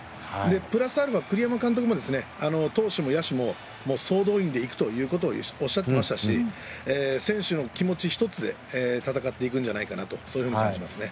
プラスアルファ、栗山監督も投手も野手も総動員で行くということをおっしゃっていましたし選手の気持ち１つで戦っていくんじゃないかなとそういうふうに感じますね。